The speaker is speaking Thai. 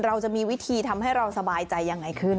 เราจะมีวิธีทำให้เราสบายใจยังไงขึ้น